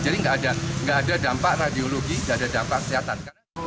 jadi tidak ada dampak radiologi tidak ada dampak kesehatan